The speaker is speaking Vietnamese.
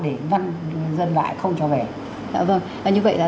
để ngăn dân lại không cho về